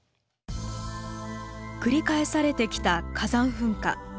繰り返されてきた火山噴火。